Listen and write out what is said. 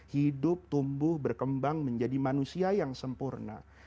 hidup tumbuh berkembang menjadi manusia yang sempurna